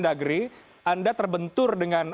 dalam negeri anda terbentur dengan